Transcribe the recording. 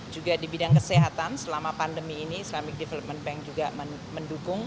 juga di bidang kesehatan selama pandemi ini islamic development bank juga mendukung